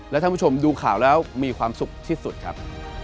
และท่านผู้ชมดูข่าวแล้วมีความสุขที่สุดครับ